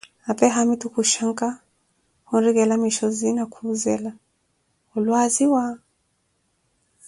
apee haamitu khushankah, khunrikelela mishozi na kuuzela: onlwaziwa?